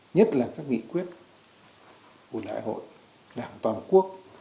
nhất là các nghị quyết của đại hội đảng toàn quốc